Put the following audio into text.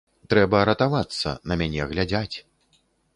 Трэба ратавацца, на мяне глядзяць.